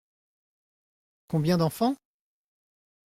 Combien d’enfants ?